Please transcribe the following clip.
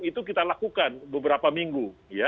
itu kita lakukan beberapa minggu